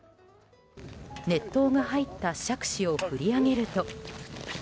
熱湯が入ったしゃくしを振り上げると。